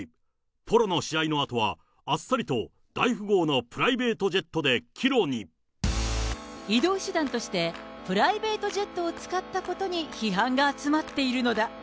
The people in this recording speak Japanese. ポロの試合のあとはあっさりと大富豪のプライベートジェットで帰移動手段として、プライベートジェットを使ったことに批判が集まっているのだ。